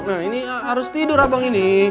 nah ini harus tidur abang ini